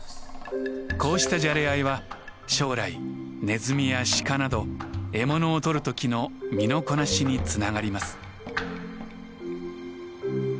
こうしたじゃれ合いは将来ネズミやシカなど獲物を捕るときの身のこなしにつながります。